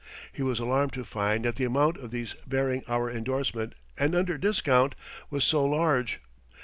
He was alarmed to find that the amount of these bearing our endorsement and under discount, was so large.